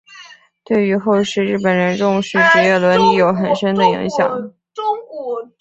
对于后世日本人重视职业伦理有很深的影响。